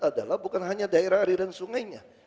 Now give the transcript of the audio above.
adalah bukan hanya daerah aliran sungainya